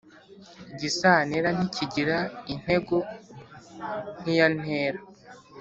Igisantera ntikigira intego nkiya ntera